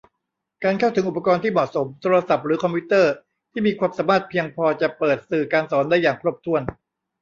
การเข้าถึงอุปกรณ์ที่เหมาะสม โทรศัพท์หรือคอมพิวเตอร์ที่มีความสามารถเพียงพอจะเปิดสื่อการสอนได้อย่างครบถ้วน